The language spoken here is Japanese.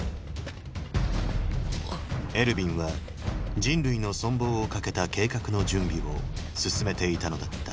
エルヴィンは人類の存亡をかけた計画の準備を進めていたのだった